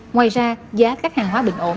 ngoài ra giá các hàng hóa bình ổn